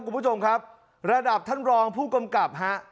คุณผู้ชมครับระดับท่านรองผู้กำกับฮะ